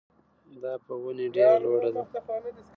دا په ونې ډېره لوړه وه.